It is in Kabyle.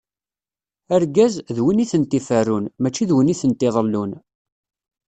Argaz, d win i tent-iferrun, mačči d win i tent-iḍellun.